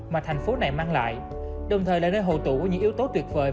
mà thành phố này mang lại đồng thời là nơi hồ tụ của những yếu tố tuyệt vời